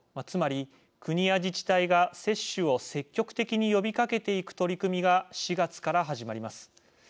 つまり、国や自治体が接種を積極的に呼びかけていく取り組みが、４月から始まります。